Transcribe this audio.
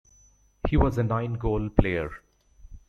He was a nine-goal player.